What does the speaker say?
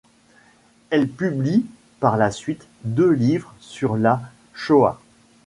Elle publie par la suite deux livres sur la Shoah.